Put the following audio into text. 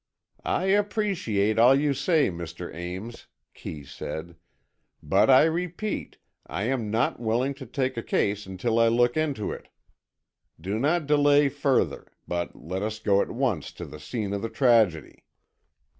"I appreciate all you say, Mr. Ames," Kee said, "but I repeat I am not willing to take a case until I look into it. Do not delay further, but let us go at once to the scene of the tragedy."